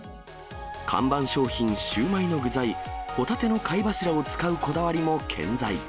看板商品、シウマイの具材、ホタテの貝柱を使うこだわりも健在。